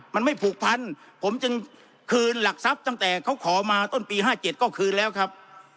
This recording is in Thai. มันไม่ผูกพันผมจึงคืนหลักทรัพย์ตั้งแต่เขาขอมาต้นปี๕๗ก็คืนแล้วครับ